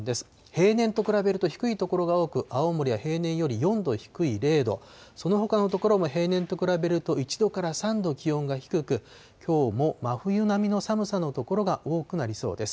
平年と比べると低い所が多く、青森は平年より４度低い０度、そのほかの所も平年と比べると１度から３度気温が低く、きょうも真冬並みの寒さの所が多くなりそうです。